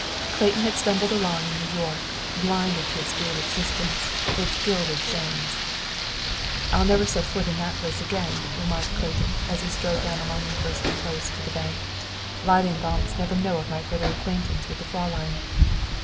Clayton had stumbled along in New York, blinded to its dual existence, its gilded shams. "I will never set foot in that place again," remarked Clayton, as he strode alone down University Place to the bank. "Lilienthal must never know of my further acquaintance with the Fräulein."